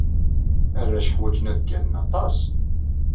Arrac ḥwajen ad gganen aṭas.